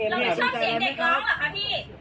เราไม่ชอบเสียงเด็กร้องเหรอคะพี่